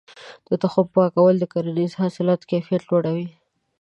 د تخم پاکوالی د کرنیز حاصل کيفيت لوړوي.